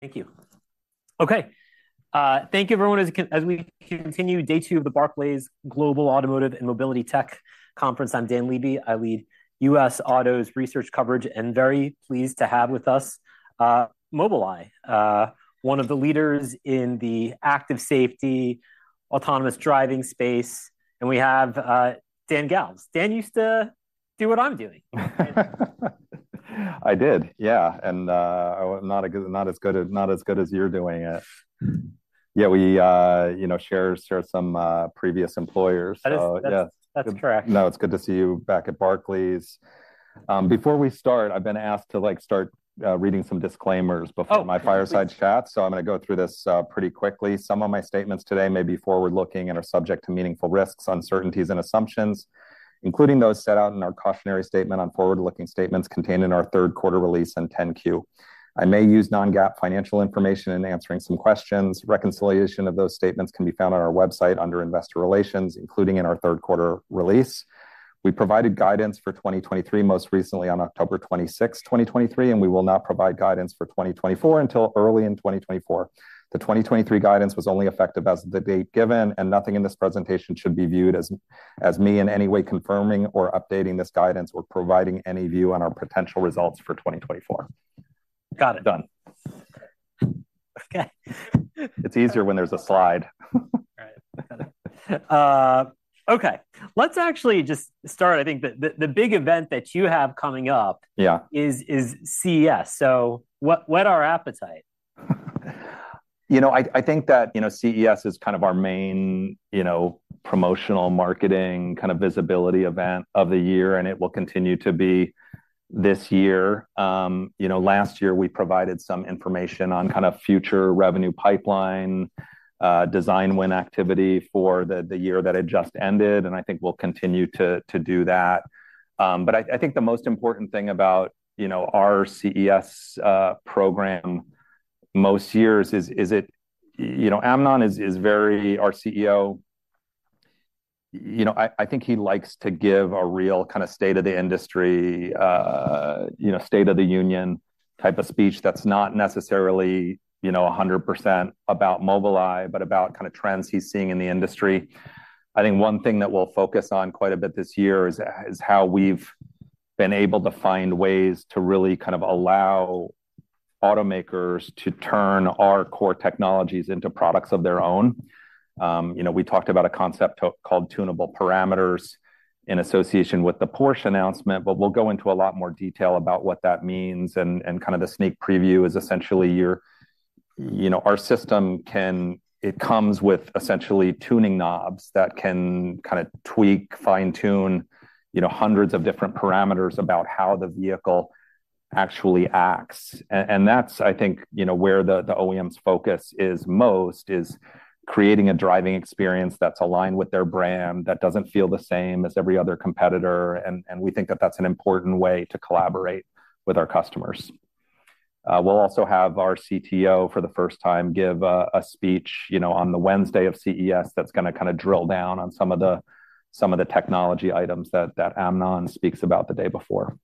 Thank you. Okay, thank you, everyone, as we continue day two of the Barclays Global Automotive and Mobility Tech Conference. I'm Dan Levy. I lead U.S. Autos Research coverage, and very pleased to have with us, Mobileye, one of the leaders in the active safety, autonomous driving space, and we have, Dan Galves. Dan used to do what I'm doing. I did, yeah, and not as good as you're doing it. Yeah, we, you know, share some previous employers. That is- Yeah. That's correct. No, it's good to see you back at Barclays. Before we start, I've been asked to, like, start reading some disclaimers- Oh!... before my fireside chat, so I'm gonna go through this pretty quickly. Some of my statements today may be forward-looking and are subject to meaningful risks, uncertainties and assumptions, including those set out in our cautionary statement on forward-looking statements contained in our third quarter release and 10-Q. I may use non-GAAP financial information in answering some questions. Reconciliation of those statements can be found on our website under Investor Relations, including in our third quarter release. We provided guidance for 2023, most recently on October 26th, 2023, and we will not provide guidance for 2024 until early in 2024. The 2023 guidance was only effective as of the date given, and nothing in this presentation should be viewed as me in any way confirming or updating this guidance or providing any view on our potential results for 2024. Got it. Done. Okay. It's easier when there's a slide. Right. Got it. Okay, let's actually just start. I think the big event that you have coming up- Yeah... is CES. So what's on tap? You know, I think that, you know, CES is kind of our main, you know, promotional, marketing kind of visibility event of the year, and it will continue to be this year. You know, last year we provided some information on kind of future revenue pipeline, design win activity for the year that had just ended, and I think we'll continue to do that. But I think the most important thing about, you know, our CES program most years is it. You know, Amnon is our CEO. You know, I think he likes to give a real kind of state of the industry, you know, state of the union type of speech that's not necessarily, you know, 100% about Mobileye, but about kind of trends he's seeing in the industry. I think one thing that we'll focus on quite a bit this year is how we've been able to find ways to really kind of allow automakers to turn our core technologies into products of their own. You know, we talked about a concept called tunable parameters in association with the Porsche announcement, but we'll go into a lot more detail about what that means, and kind of the sneak preview is essentially... You know, our system can, it comes with essentially tuning knobs that can kind of tweak, fine-tune, you know, hundreds of different parameters about how the vehicle actually acts. and that's, I think, you know, where the OEM's focus is most, is creating a driving experience that's aligned with their brand, that doesn't feel the same as every other competitor, and we think that that's an important way to collaborate with our customers. We'll also have our CTO for the first time give a speech, you know, on the Wednesday of CES that's gonna kind of drill down on some of the technology items that Amnon speaks about the day before.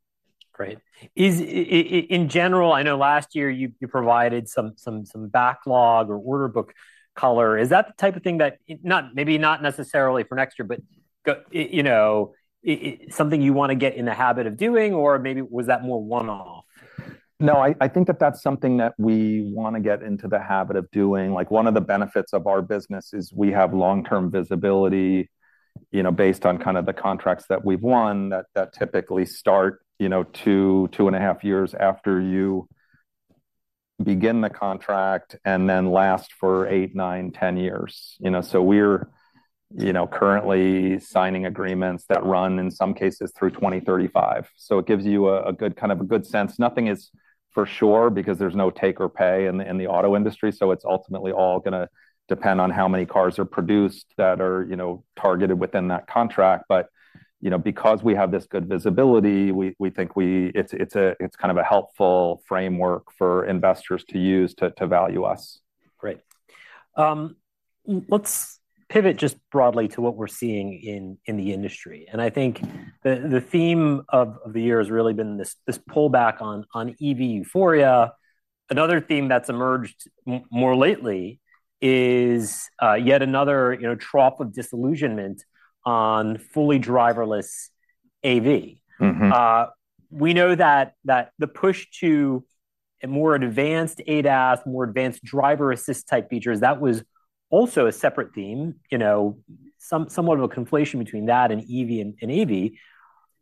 Great. Is in general, I know last year you provided some backlog or order book color. Is that the type of thing that... not maybe not necessarily for next year, but you know, something you wanna get in the habit of doing, or maybe was that more one-off? No, I think that that's something that we wanna get into the habit of doing. Like, one of the benefits of our business is we have long-term visibility, you know, based on kind of the contracts that we've won, that typically start, you know, two-2.5 years after you begin the contract, and then last for eight, nine, 10 years. You know, so we're, you know, currently signing agreements that run, in some cases, through 2035. So it gives you a good, kind of a good sense. Nothing is for sure because there's no take or pay in the auto industry, so it's ultimately all gonna depend on how many cars are produced that are, you know, targeted within that contract. But, you know, because we have this good visibility, we think we... It's kind of a helpful framework for investors to use to value us. Great. Let's pivot just broadly to what we're seeing in the industry. I think the theme of the year has really been this pullback on EV euphoria. Another theme that's emerged more lately is yet another, you know, trough of disillusionment on fully driverless AV. Mm-hmm. We know that the push to a more advanced ADAS, more advanced driver assist-type features, that was also a separate theme, you know, somewhat of a conflation between that and EV and AV.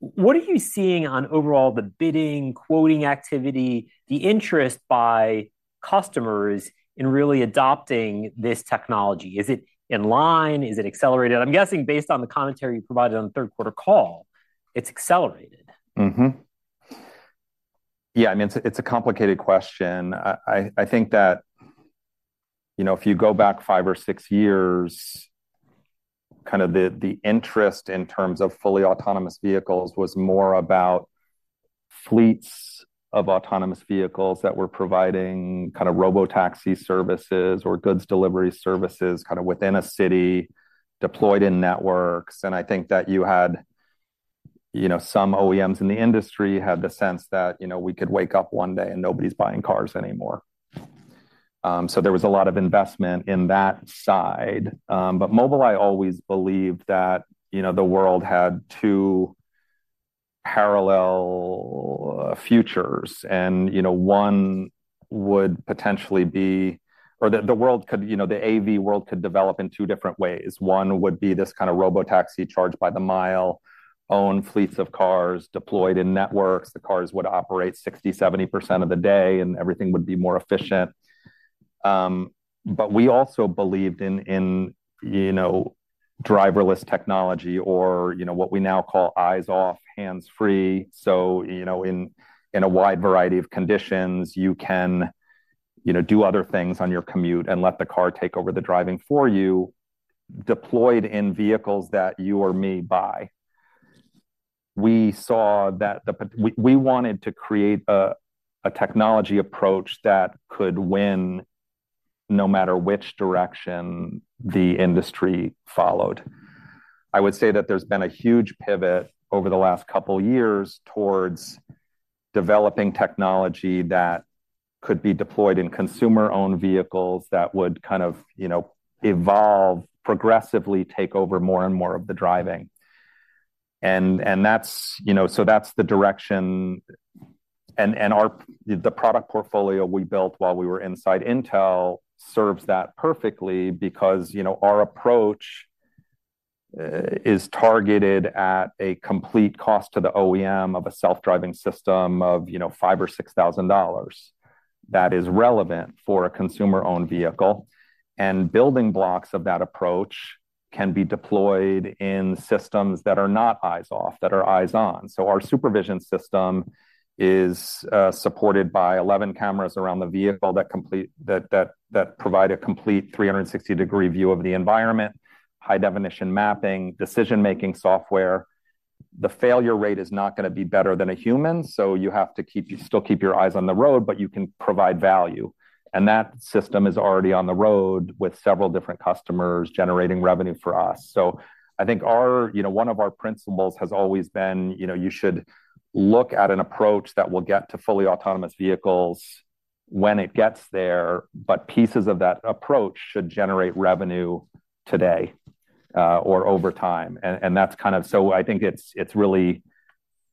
What are you seeing on overall the bidding, quoting activity, the interest by customers in really adopting this technology? Is it in line? Is it accelerated? I'm guessing based on the commentary you provided on the third quarter call, it's accelerated. Mm-hmm. Yeah, I mean, it's a complicated question. I think that, you know, if you go back five or six years, kind of the interest in terms of fully autonomous vehicles was more about fleets of autonomous vehicles that were providing kind of robotaxi services or goods delivery services, kind of within a city, deployed in networks. I think that you know, some OEMs in the industry had the sense that, you know, we could wake up one day and nobody's buying cars anymore. So there was a lot of investment in that side. But Mobileye always believed that, you know, the world had two parallel futures, and, you know, one would potentially be- or the world could, you know, the AV world could develop in two different ways. One would be this kind of robotaxi charged by the mile, own fleets of cars deployed in networks. The cars would operate 60%-70% of the day, and everything would be more efficient. But we also believed in, in, you know, driverless technology or, you know, what we now call eyes-off, hands-free. So, you know, in a wide variety of conditions, you can, you know, do other things on your commute and let the car take over the driving for you, deployed in vehicles that you or me buy. We saw that we wanted to create a technology approach that could win, no matter which direction the industry followed. I would say that there's been a huge pivot over the last couple of years towards developing technology that could be deployed in consumer-owned vehicles that would kind of, you know, evolve, progressively take over more and more of the driving. And that's, you know, so that's the direction. And our product portfolio we built while we were inside Intel serves that perfectly because, you know, our approach is targeted at a complete cost to the OEM of a self-driving system of $5,000 or $6,000. That is relevant for a consumer-owned vehicle, and building blocks of that approach can be deployed in systems that are not eyes off, that are eyes on. So our SuperVision system is supported by 11 cameras around the vehicle that provide a complete 360-degree view of the environment, high-definition mapping, decision-making software. The failure rate is not gonna be better than a human, so you still keep your eyes on the road, but you can provide value. And that system is already on the road with several different customers, generating revenue for us. So I think, you know, one of our principles has always been, you know, you should look at an approach that will get to fully autonomous vehicles when it gets there, but pieces of that approach should generate revenue today or over time. And that's kind of... So I think it's really,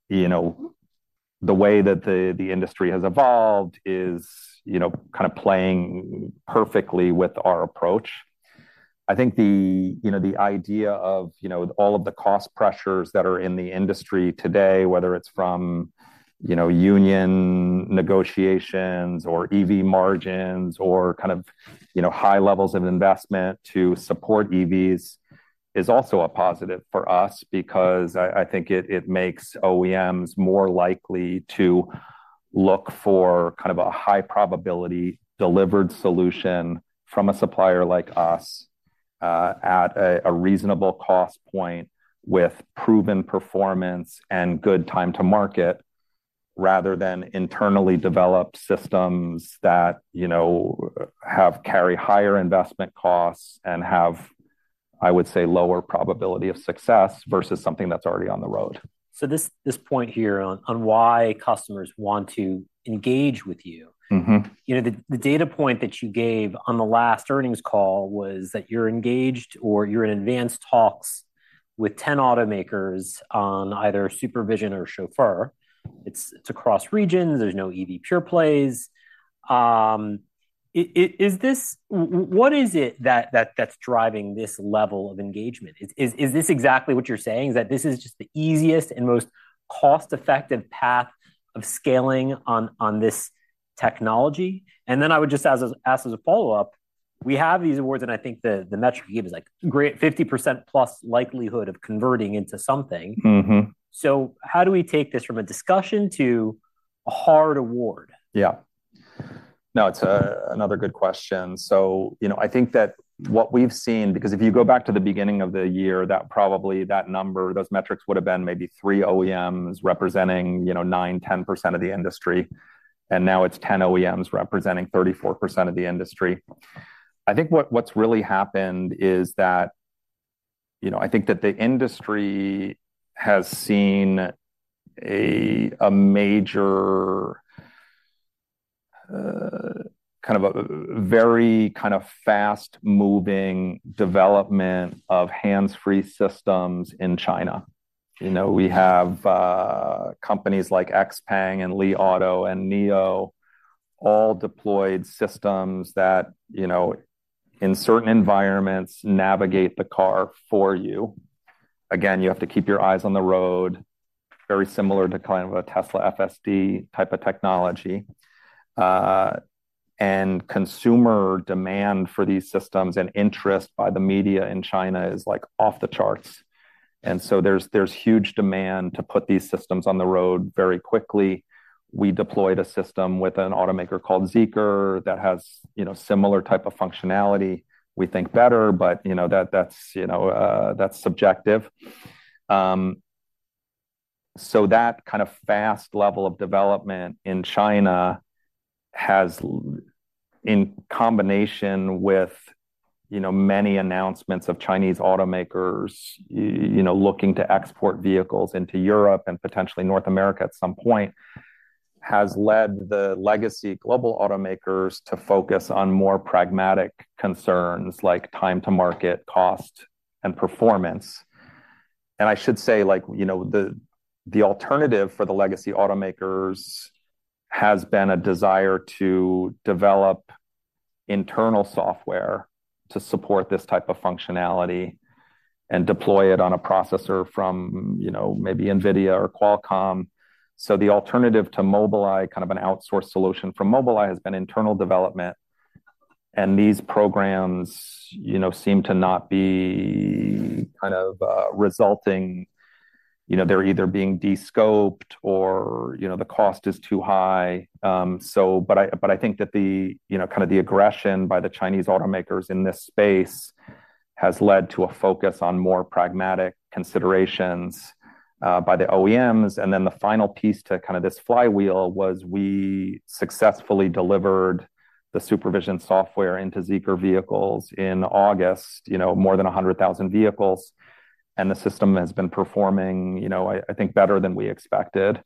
you know, the way that the industry has evolved is, you know, kind of playing perfectly with our approach. I think the idea of, you know, all of the cost pressures that are in the industry today, whether it's from, you know, union negotiations or EV margins, or kind of, you know, high levels of investment to support EVs, is also a positive for us because I think it makes OEMs more likely to look for kind of a high probability delivered solution from a supplier like us, at a reasonable cost point with proven performance and good time to market, rather than internally developed systems that, you know, carry higher investment costs and have, I would say, lower probability of success versus something that's already on the road. So this point here on why customers want to engage with you. Mm-hmm. You know, the data point that you gave on the last earnings call was that you're engaged, or you're in advanced talks with ten automakers on either SuperVision or Chauffeur. It's across regions. There's no EV pure plays. What is it that that's driving this level of engagement? Is this exactly what you're saying, is that this is just the easiest and most cost-effective path of scaling on this technology? And then I would just ask as a follow-up, we have these awards, and I think the metric you gave is, like, great 50%+ likelihood of converting into something. Mm-hmm. How do we take this from a discussion to a hard award? Yeah. No, it's another good question. So, you know, I think that what we've seen—because if you go back to the beginning of the year, that probably, that number, those metrics would have been maybe 3 OEMs representing, you know, 9%-10% of the industry, and now it's 10 OEMs representing 34% of the industry. I think what's really happened is that, you know, I think that the industry has seen a major kind of a very kind of fast-moving development of hands-free systems in China. You know, we have companies like XPeng and Li Auto and NIO, all deployed systems that, you know, in certain environments, navigate the car for you. Again, you have to keep your eyes on the road, very similar to kind of a Tesla FSD type of technology. And consumer demand for these systems and interest by the media in China is, like, off the charts, and so there's huge demand to put these systems on the road very quickly. We deployed a system with an automaker called ZEEKR that has, you know, similar type of functionality, we think better, but, you know, that, that's, you know, that's subjective. So that kind of fast level of development in China has in combination with, you know, many announcements of Chinese automakers, you know, looking to export vehicles into Europe and potentially North America at some point, has led the legacy global automakers to focus on more pragmatic concerns, like time to market, cost, and performance. I should say, like, you know, the alternative for the legacy automakers has been a desire to develop internal software to support this type of functionality and deploy it on a processor from, you know, maybe NVIDIA or Qualcomm. The alternative to Mobileye, kind of an outsourced solution from Mobileye, has been internal development. These programs, you know, seem to not be kind of resulting. You know, they're either being de-scoped or, you know, the cost is too high. So but I, but I think that the, you know, kind of the aggression by the Chinese automakers in this space has led to a focus on more pragmatic considerations by the OEMs. And then the final piece to kind of this flywheel was we successfully delivered the SuperVision software into ZEEKR vehicles in August, you know, more than 100,000 vehicles, and the system has been performing, you know, I think, better than we expected.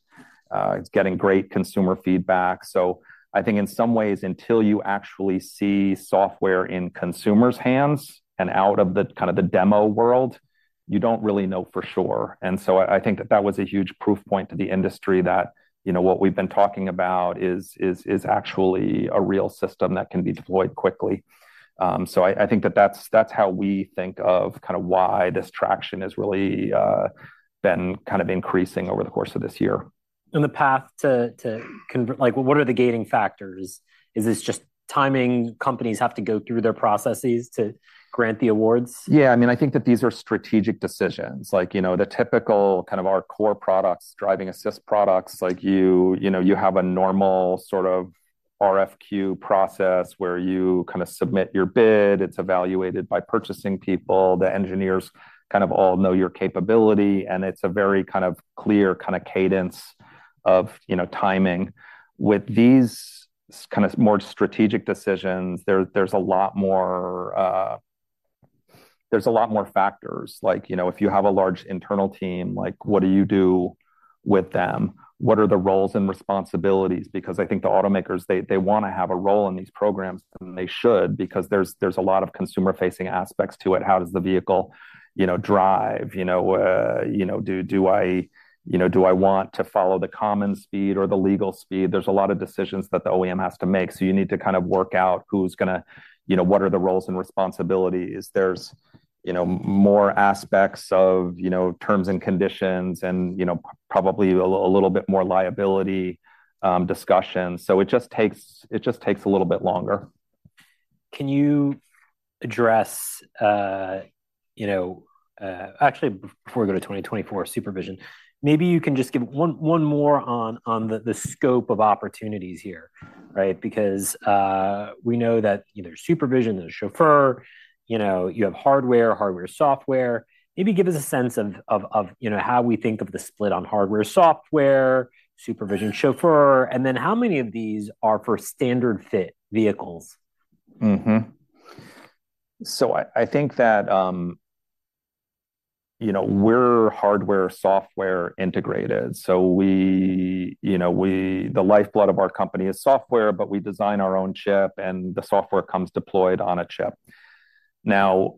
It's getting great consumer feedback. So I think in some ways, until you actually see software in consumers' hands and out of the kind of the demo world, you don't really know for sure. And so I think that that was a huge proof point to the industry that, you know, what we've been talking about is actually a real system that can be deployed quickly. So I think that that's how we think of kind of why this traction has really been kind of increasing over the course of this year. The path to contract—like, what are the gating factors? Is this just timing, companies have to go through their processes to grant the awards? Yeah, I mean, I think that these are strategic decisions. Like, you know, the typical kind of our core products, driving assist products, like you know, you have a normal sort of RFQ process where you kind of submit your bid, it's evaluated by purchasing people, the engineers kind of all know your capability, and it's a very kind of clear kind of cadence of, you know, timing. With these kind of more strategic decisions, there, there's a lot more, there's a lot more factors. Like, you know, if you have a large internal team, like, what do you do with them? What are the roles and responsibilities? Because I think the automakers, they, they wanna have a role in these programs, and they should, because there's, there's a lot of consumer-facing aspects to it. How does the vehicle, you know, drive? You know, you know, do I want to follow the common speed or the legal speed? There's a lot of decisions that the OEM has to make, so you need to kind of work out who's gonna... You know, what are the roles and responsibilities? There's, you know, more aspects of, you know, terms and conditions and, you know, probably a little bit more liability discussion. So it just takes a little bit longer. Can you address, you know... Actually, before we go to 2024 SuperVision, maybe you can just give one more on the scope of opportunities here, right? Because, we know that, you know, SuperVision, there's Chauffeur, you know, you have hardware, software. Maybe give us a sense of, you know, how we think of the split on hardware, software, SuperVision, Chauffeur, and then how many of these are for standard fit vehicles? Mm-hmm. So I think that, you know, we're hardware, software integrated. So we, you know, the lifeblood of our company is software, but we design our own chip, and the software comes deployed on a chip. Now,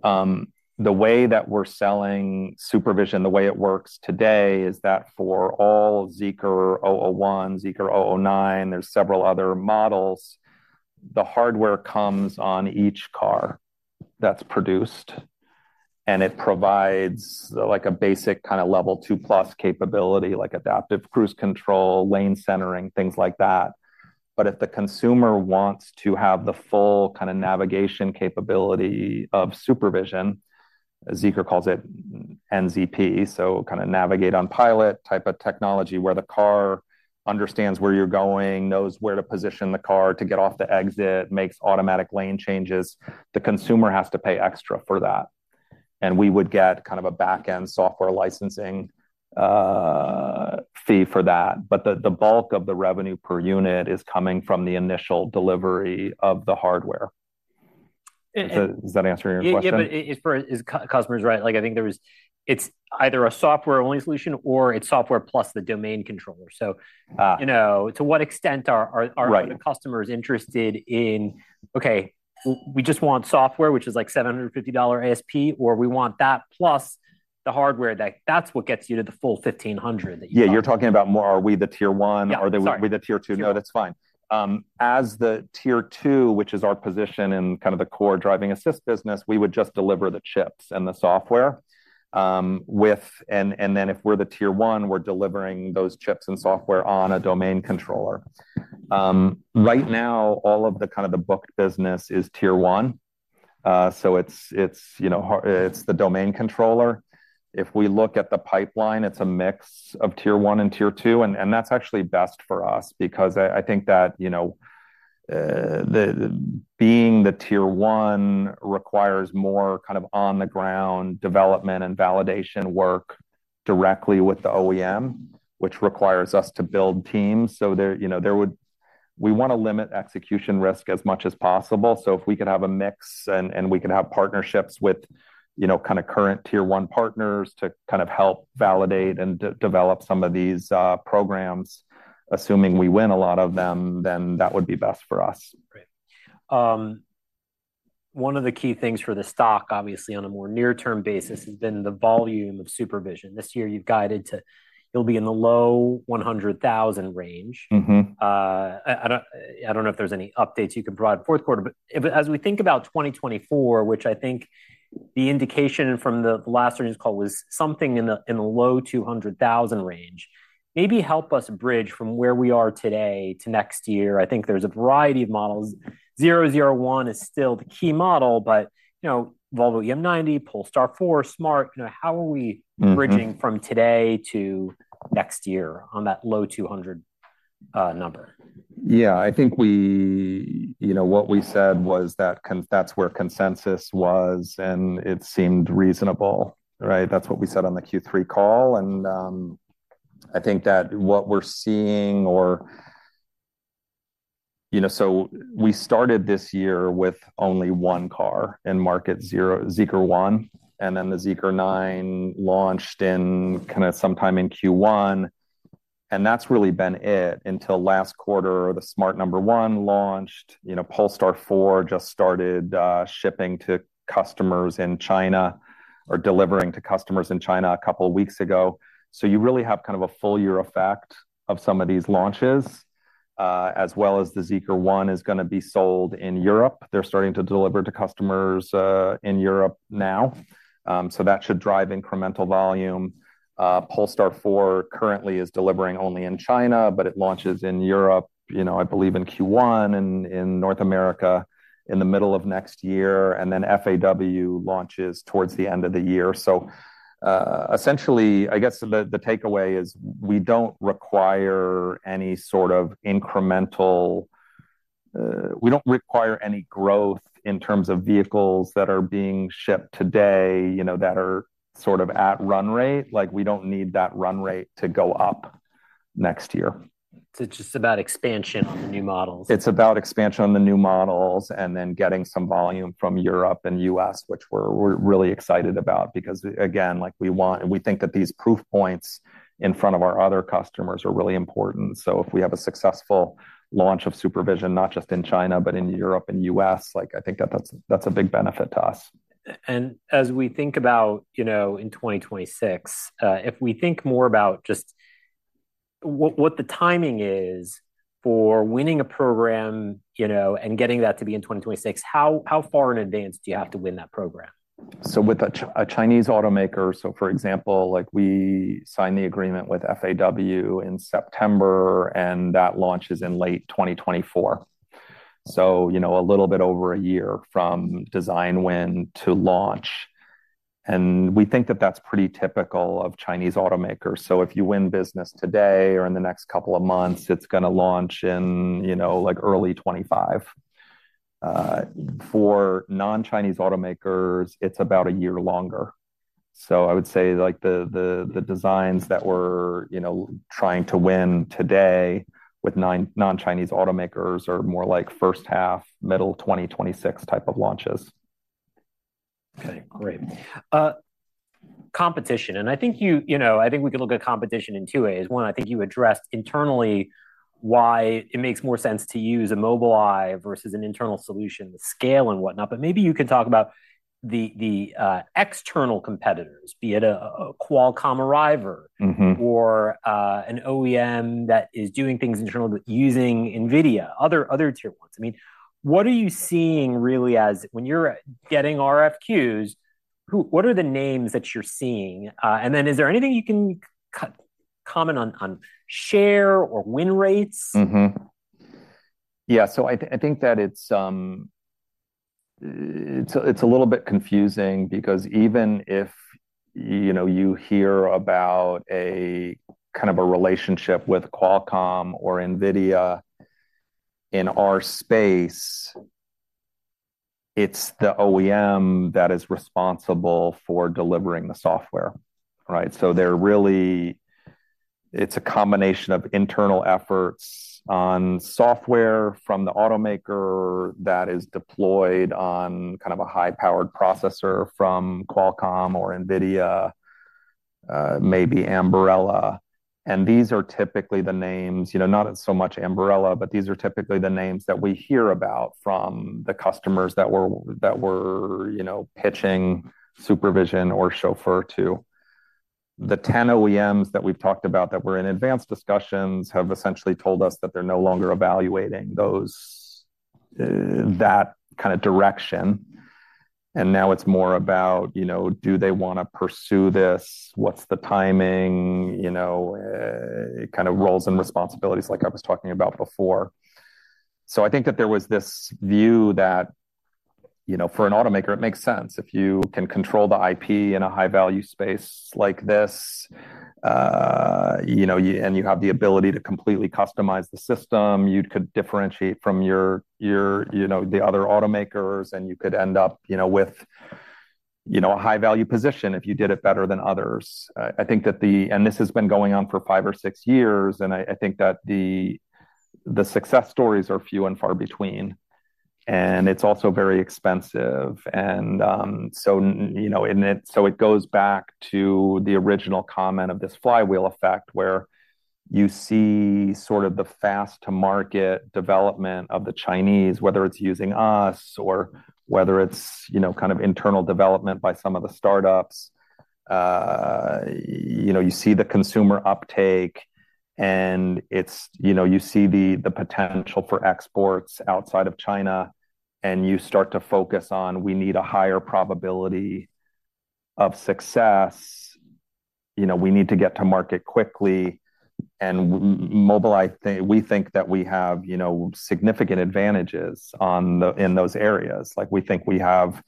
the way that we're selling SuperVision, the way it works today, is that for all ZEEKR 001, ZEEKR 009, there's several other models. The hardware comes on each car that's produced, and it provides, like, a basic kind of Level 2+ capability, like adaptive cruise control, lane centering, things like that. But if the consumer wants to have the full kind of navigation capability of SuperVision, ZEEKR calls it NZP, so kind of navigate on pilot type of technology, where the car understands where you're going, knows where to position the car to get off the exit, makes automatic lane changes, the consumer has to pay extra for that. And we would get kind of a back-end software licensing, fee for that. But the, the bulk of the revenue per unit is coming from the initial delivery of the hardware. And- Does that, does that answer your question? Yeah, yeah, but it's for customers, right? Like, I think it's either a software-only solution or it's software plus the domain controller. Ah. So, you know, to what extent are- Right... the customers interested in, "Okay, we just want software, which is like $750 ASP, or we want that plus the hardware," that, that's what gets you to the full $1,500 that you- Yeah, you're talking about more, are we the Tier One- Yeah, sorry. - or are we the Tier Two? No, that's fine. As the Tier Two, which is our position in kind of the core driving assist business, we would just deliver the chips and the software. And, and then if we're the Tier One, we're delivering those chips and software on a domain controller. Right now, all of the kind of the booked business is Tier One. So it's, it's, you know, it's the domain controller. If we look at the pipeline, it's a mix of Tier One and Tier Two, and, and that's actually best for us because I, I think that, you know, the, the being the Tier One requires more kind of on-the-ground development and validation work directly with the OEM, which requires us to build teams. So, there you know, there would be. We wanna limit execution risk as much as possible, so if we could have a mix and we could have partnerships with, you know, kind of current Tier One partners to kind of help validate and develop some of these programs, assuming we win a lot of them, then that would be best for us. Great. One of the key things for the stock, obviously, on a more near-term basis, has been the volume of SuperVision. This year, you've guided to, you'll be in the low 100,000 range. Mm-hmm. I don't know if there's any updates you could provide fourth quarter, but as we think about 2024, which I think the indication from the last earnings call was something in the low 200,000 range, maybe help us bridge from where we are today to next year. I think there's a variety of models. 001 is still the key model, but, you know, Volvo EM90, Polestar 4, smart, you know, how are we- Mm-hmm... bridging from today to next year on that low 200, number? Yeah, I think we, you know, what we said was that consensus was, and it seemed reasonable, right? That's what we said on the Q3 call, and I think that what we're seeing. You know, so we started this year with only one car in market, the ZEEKR 001, and then the ZEEKR 009 launched in kind of sometime in Q1, and that's really been it until last quarter, the smart #1 launched. You know, Polestar 4 just started shipping to customers in China, or delivering to customers in China a couple of weeks ago. So you really have kind of a full year effect of some of these launches, as well as the ZEEKR 001 is gonna be sold in Europe. They're starting to deliver to customers in Europe now. So that should drive incremental volume. Polestar 4 currently is delivering only in China, but it launches in Europe, you know, I believe in Q1, and in North America in the middle of next year, and then FAW launches towards the end of the year. So, essentially, I guess the takeaway is, we don't require any sort of incremental... We don't require any growth in terms of vehicles that are being shipped today, you know, that are sort of at run rate. Like, we don't need that run rate to go up next year. It's just about expansion on the new models. It's about expansion on the new models, and then getting some volume from Europe and U.S., which we're really excited about, because, again, like, we want, we think that these proof points in front of our other customers are really important. So if we have a successful launch of SuperVision, not just in China, but in Europe and U.S., like, I think that that's a big benefit to us. As we think about, you know, in 2026, if we think more about just what the timing is for winning a program, you know, and getting that to be in 2026, how far in advance do you have to win that program? So with a Chinese automaker, so for example, like we signed the agreement with FAW in September, and that launch is in late 2024. So, you know, a little bit over a year from design win to launch, and we think that that's pretty typical of Chinese automakers. So if you win business today or in the next couple of months, it's gonna launch in, you know, like early 2025. For non-Chinese automakers, it's about a year longer. So I would say, like, the designs that we're, you know, trying to win today with non-Chinese automakers are more like first half, middle 2026 type of launches. Okay, great. Competition, and I think you—you know, I think we can look at competition in two ways. One, I think you addressed internally why it makes more sense to use a Mobileye versus an internal solution, the scale and whatnot, but maybe you can talk about the external competitors, be it a Qualcomm Arriver- Mm-hmm... or an OEM that is doing things internal but using NVIDIA, other tier ones. I mean, what are you seeing really as - when you're getting RFQs, what are the names that you're seeing? And then is there anything you can comment on, on share or win rates? Mm-hmm. Yeah, so I think that it's a little bit confusing because even if, you know, you hear about a kind of a relationship with Qualcomm or NVIDIA, in our space, it's the OEM that is responsible for delivering the software, right? So they're really, it's a combination of internal efforts on software from the automaker that is deployed on kind of a high-powered processor from Qualcomm or NVIDIA, maybe Ambarella. And these are typically the names, you know, not so much Ambarella, but these are typically the names that we hear about from the customers that we're, you know, pitching SuperVision or Chauffeur to. The 10 OEMs that we've talked about that were in advanced discussions have essentially told us that they're no longer evaluating those, that kind of direction. And now it's more about, you know, do they wanna pursue this? What's the timing? You know, kind of roles and responsibilities like I was talking about before. So I think that there was this view that, you know, for an automaker, it makes sense. If you can control the IP in a high-value space like this, you know, and you have the ability to completely customize the system. You could differentiate from your, you know, the other automakers, and you could end up, you know, with, you know, a high-value position if you did it better than others. I think that the and this has been going on for five or six years, and I think that the success stories are few and far between, and it's also very expensive. So it goes back to the original comment of this flywheel effect, where you see sort of the fast-to-market development of the Chinese, whether it's using us or whether it's, you know, kind of internal development by some of the startups. You know, you see the consumer uptake, and it's... You know, you see the, the potential for exports outside of China, and you start to focus on, we need a higher probability of success. You know, we need to get to market quickly and mobilize. We think that we have, you know, significant advantages on the in those areas. Like, we think we have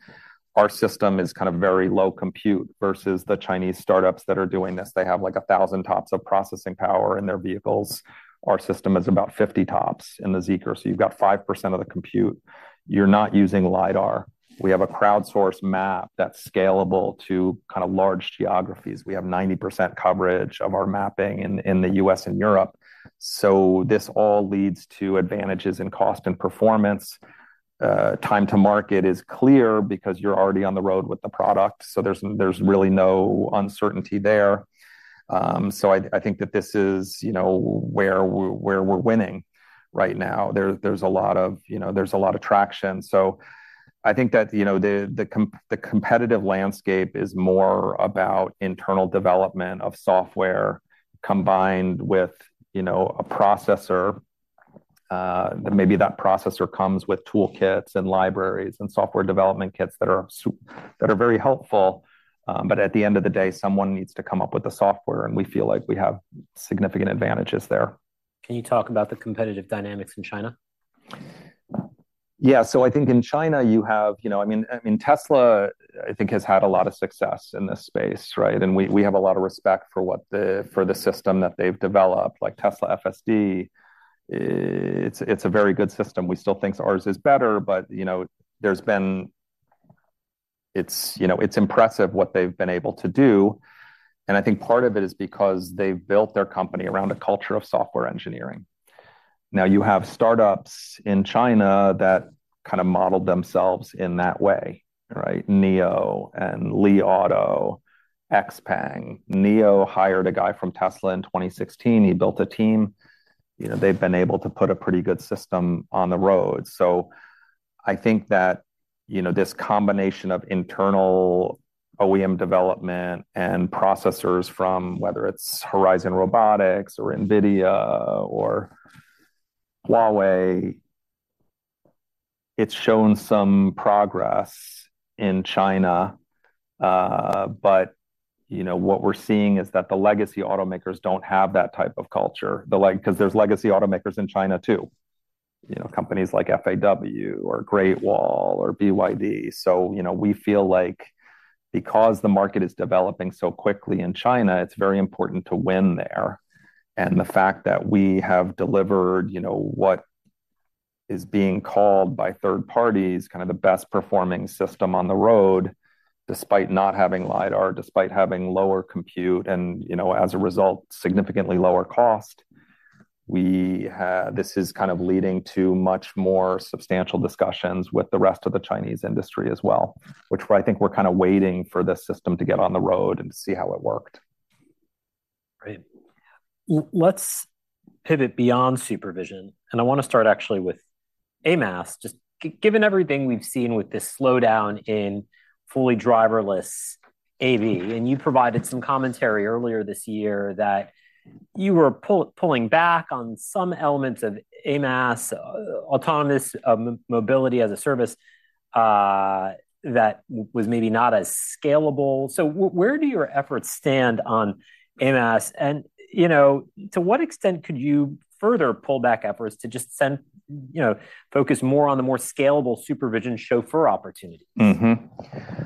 our system is kind of very low compute versus the Chinese startups that are doing this. They have, like, 1,000 TOPS of processing power in their vehicles. Our system is about 50 TOPS in the ZEEKR, so you've got 5% of the compute. You're not using LiDAR. We have a crowdsourced map that's scalable to kind of large geographies. We have 90% coverage of our mapping in the U.S. and Europe. So this all leads to advantages in cost and performance. Time to market is clear because you're already on the road with the product, so there's really no uncertainty there. So I think that this is, you know, where we're winning right now. There's a lot of... You know, there's a lot of traction. So I think that, you know, the competitive landscape is more about internal development of software combined with, you know, a processor. Maybe that processor comes with toolkits and libraries and software development kits that are very helpful. But at the end of the day, someone needs to come up with the software, and we feel like we have significant advantages there. Can you talk about the competitive dynamics in China? Yeah. So I think in China, you have... You know, I mean, Tesla, I think, has had a lot of success in this space, right? And we have a lot of respect for what the system that they've developed. Like, Tesla FSD, it's a very good system. We still think ours is better, but, you know, it's impressive what they've been able to do, and I think part of it is because they've built their company around a culture of software engineering. Now, you have startups in China that kind of modeled themselves in that way, right? NIO and Li Auto, XPeng. NIO hired a guy from Tesla in 2016. He built a team. You know, they've been able to put a pretty good system on the road. So I think that, you know, this combination of internal OEM development and processors from whether it's Horizon Robotics or NVIDIA or Huawei, it's shown some progress in China. But, you know, what we're seeing is that the legacy automakers don't have that type of culture, 'cause there's legacy automakers in China too. You know, companies like FAW or Great Wall or BYD. So, you know, we feel like because the market is developing so quickly in China, it's very important to win there. The fact that we have delivered, you know, what is being called by third parties, kind of the best performing system on the road, despite not having LiDAR, despite having lower compute and, you know, as a result, significantly lower cost, this is kind of leading to much more substantial discussions with the rest of the Chinese industry as well, which I think we're kind of waiting for this system to get on the road and see how it worked. Great. Let's pivot beyond SuperVision, and I want to start actually with AMaaS. Just given everything we've seen with this slowdown in fully driverless AV, and you provided some commentary earlier this year that you were pulling back on some elements of AMaaS, autonomous mobility as a service, that was maybe not as scalable. Where do your efforts stand on AMaaS? And, you know, to what extent could you further pull back efforts to just, you know, focus more on the more scalable SuperVision Chauffeur opportunities? Mm-hmm.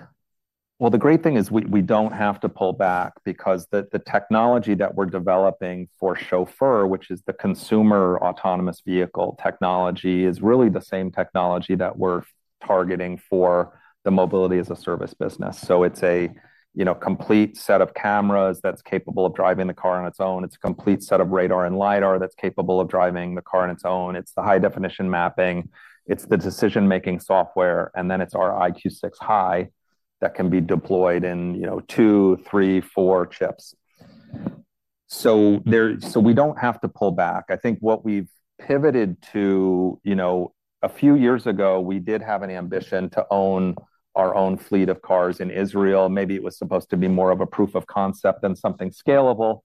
Well, the great thing is we don't have to pull back because the technology that we're developing for Chauffeur, which is the consumer autonomous vehicle technology, is really the same technology that we're targeting for the mobility-as-a-service business. So it's a, you know, complete set of cameras that's capable of driving the car on its own. It's a complete set of radar and LiDAR that's capable of driving the car on its own. It's the high-definition mapping, it's the decision-making software, and then it's our EyeQ6 High that can be deployed in, you know, two, three, four chips. So we don't have to pull back. I think what we've pivoted to... You know, a few years ago, we did have an ambition to own our own fleet of cars in Israel. Maybe it was supposed to be more of a proof of concept than something scalable,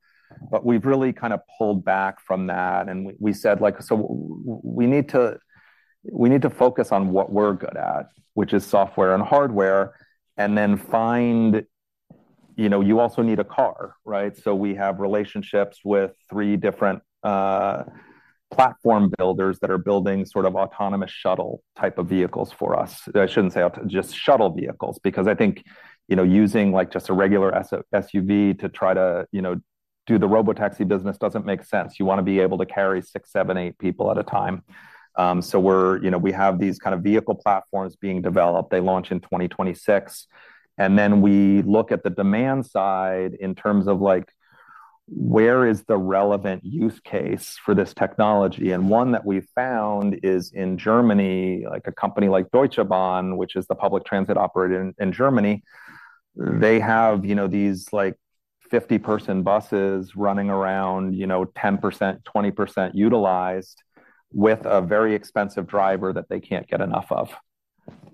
but we've really kind of pulled back from that, and we, we said, like: "So we need to, we need to focus on what we're good at, which is software and hardware, and then find." You know, you also need a car, right? So we have relationships with three different platform builders that are building sort of autonomous shuttle type of vehicles for us. I shouldn't say auto, just shuttle vehicles, because I think, you know, using, like, just a regular SUV to try to, you know, do the robotaxi business doesn't make sense. You wanna be able to carry six, seven, eight people at a time. So we're, you know, we have these kind of vehicle platforms being developed. They launch in 2026, and then we look at the demand side in terms of, like, where is the relevant use case for this technology? And one that we found is in Germany, like a company like Deutsche Bahn, which is the public transit operator in, in Germany. They have, you know, these, like, 50-person buses running around, you know, 10%, 20% utilized, with a very expensive driver that they can't get enough of.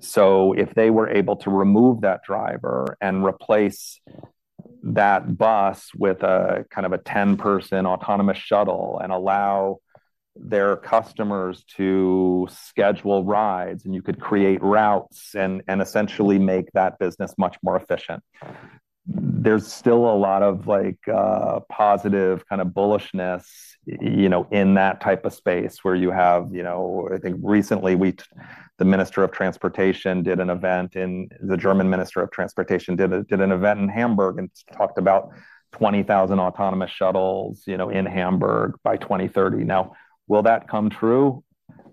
So if they were able to remove that driver and replace that bus with a kind of a 10-person autonomous shuttle, and allow their customers to schedule rides, and you could create routes and, and essentially make that business much more efficient. There's still a lot of, like, positive kind of bullishness, you know, in that type of space, where you have, you know... I think recently the German Minister of Transportation did an event in Hamburg and talked about 20,000 autonomous shuttles, you know, in Hamburg by 2030. Now, will that come true?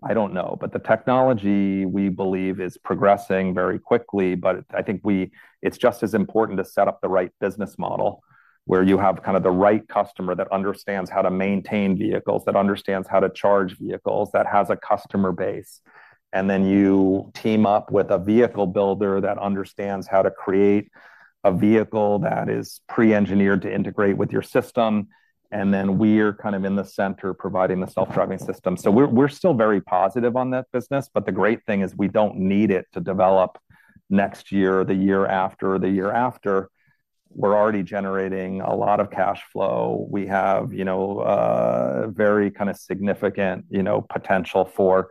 I don't know, but the technology, we believe, is progressing very quickly. But I think it's just as important to set up the right business model, where you have kind of the right customer that understands how to maintain vehicles, that understands how to charge vehicles, that has a customer base. And then you team up with a vehicle builder that understands how to create a vehicle that is pre-engineered to integrate with your system, and then we're kind of in the center, providing the self-driving system. So we're still very positive on that business, but the great thing is we don't need it to develop next year or the year after, or the year after. We're already generating a lot of cash flow. We have, you know, very kind of significant, you know, potential for,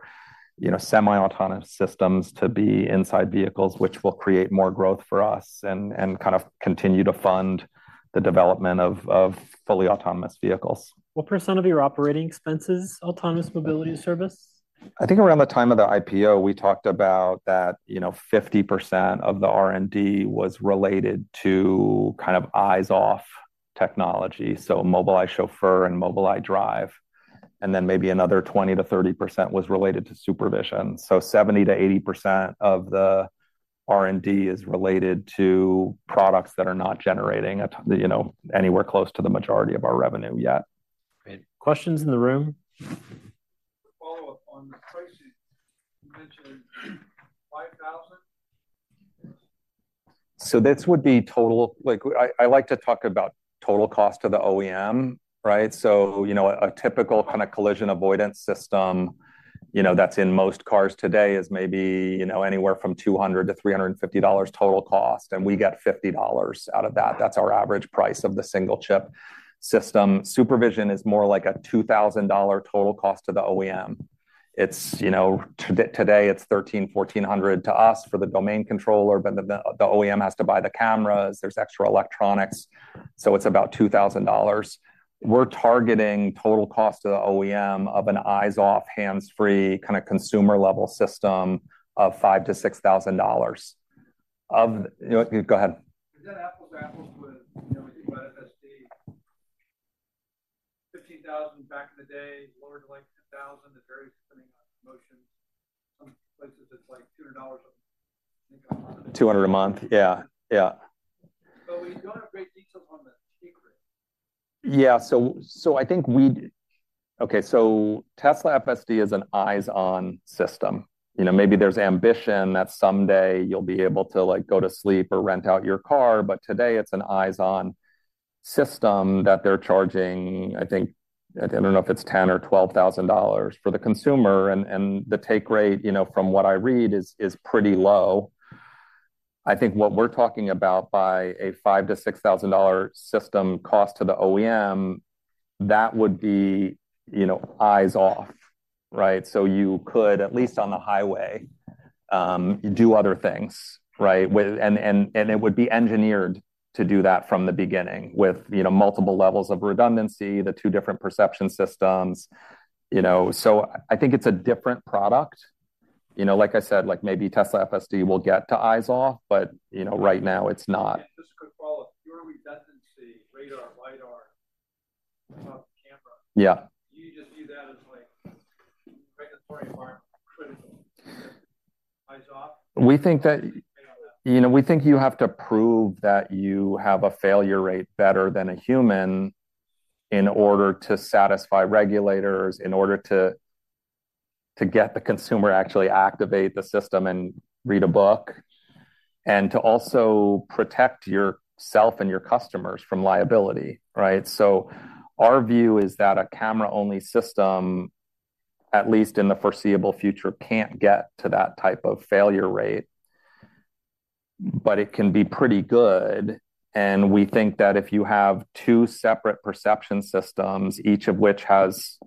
you know, semi-autonomous systems to be inside vehicles, which will create more growth for us and kind of continue to fund the development of fully autonomous vehicles. What % of your operating expense is autonomous mobility service? I think around the time of the IPO, we talked about that, you know, 50% of the R&D was related to kind of eyes-off technology, so Mobileye Chauffeur and Mobileye Drive, and then maybe another 20%-30% was related to SuperVision. So 70%-80% of the R&D is related to products that are not generating at, you know, anywhere close to the majority of our revenue yet. Great. Questions in the room? To follow up on the pricing, you mentioned $5,000? So this would be total, like, I like to talk about total cost to the OEM, right? So, you know, a typical kind of collision avoidance system, you know, that's in most cars today is maybe, you know, anywhere from $200-$350 total cost, and we get $50 out of that. That's our average price of the single chip system. Supervision is more like a $2,000 total cost to the OEM. It's, you know, today, it's $1,300-$1,400 to us for the domain controller, but the OEM has to buy the cameras, there's extra electronics, so it's about $2,000. We're targeting total cost to the OEM of an eyes-off, hands-free, kind of consumer-level system of $5,000-$6,000. You know, go ahead. Is that apples to apples with, you know, we think about FSD. $15,000 back in the day, lowered to, like, $10,000. It varies depending on promotions. Some places, it's like $200 a month. $200 a month. Yeah, yeah. So we don't have great details on the take rate. Yeah. So I think—Okay, so Tesla FSD is an eyes-on system. You know, maybe there's ambition that someday you'll be able to, like, go to sleep or rent out your car, but today it's an eyes-on system that they're charging, I think. I don't know if it's $10,000 or $12,000 for the consumer, and the take rate, you know, from what I read, is pretty low. I think what we're talking about, by a $5,000-$6,000 system cost to the OEM, that would be, you know, eyes off, right? So you could, at least on the highway, do other things, right? And it would be engineered to do that from the beginning with, you know, multiple levels of redundancy, the two different perception systems, you know. So I think it's a different product. You know, like I said, like, maybe Tesla FSD will get to eyes off, but, you know, right now it's not. Just a quick follow-up. Your redundancy, radar, LiDAR, without the camera- Yeah. Do you just view that as, like, regulatory aren't critical, eyes off? We think that you know, we think you have to prove that you have a failure rate better than a human in order to satisfy regulators, in order to get the consumer to actually activate the system and read a book, and to also protect yourself and your customers from liability, right? So our view is that a camera-only system, at least in the foreseeable future, can't get to that type of failure rate. But it can be pretty good, and we think that if you have two separate perception systems, each of which has,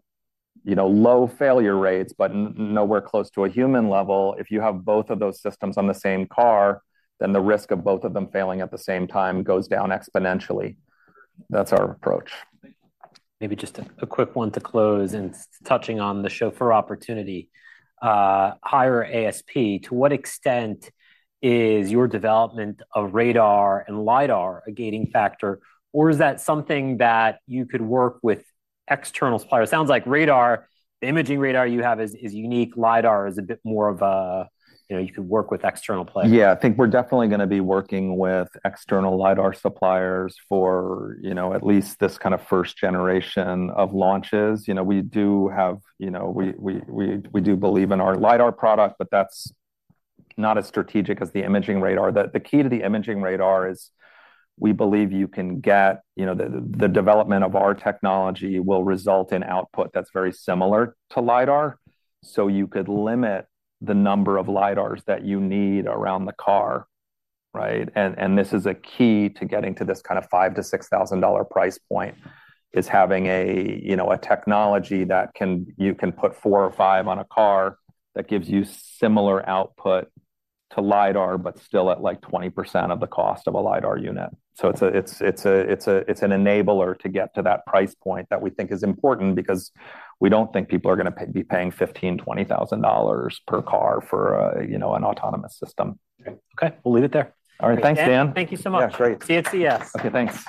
you know, low failure rates, but nowhere close to a human level, if you have both of those systems on the same car, then the risk of both of them failing at the same time goes down exponentially. That's our approach. Maybe just a quick one to close, and touching on the Chauffeur opportunity, higher ASP. To what extent is your development of radar and LiDAR a gating factor, or is that something that you could work with external suppliers? It sounds like radar, the imaging radar you have is unique. LiDAR is a bit more of a, you know, you could work with external players. Yeah, I think we're definitely gonna be working with external LiDAR suppliers for, you know, at least this kind of first generation of launches. You know, we do have... You know, we do believe in our LiDAR product, but that's not as strategic as the imaging radar. The, the key to the imaging radar is, we believe you can get, you know—the, the development of our technology will result in output that's very similar to LiDAR, so you could limit the number of LiDARs that you need around the car, right? This is a key to getting to this kind of $5,000-$6,000 price point, is having a, you know, a technology that you can put four or five on a car, that gives you similar output to LiDAR, but still at, like, 20% of the cost of a LiDAR unit. So it's an enabler to get to that price point that we think is important because we don't think people are gonna be paying $15,000-$20,000 per car for a, you know, an autonomous system. Okay, we'll leave it there. All right. Thanks, Dan. Thank you so much. Yeah, great. See you at CES. Okay, thanks.